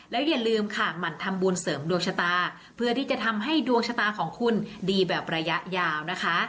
แล้วอย่าลืมค่ะหมั่นทำบุญเสริมดวงชะตาเพื่อที่จะทำให้ดวงชะตาของคุณดีแบบระยะยาวนะคะ